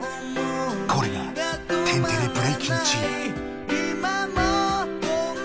これが天てれブレイキンチーム！